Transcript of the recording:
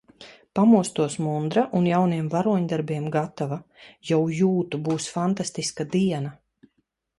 Pamostos mundra un jauniem varoņdarbiem gatava! Jau jūtu būs fantastiska diena!